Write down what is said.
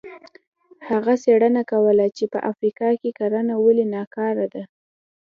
هغه څېړنه کوله چې په افریقا کې کرنه ولې ناکاره ده.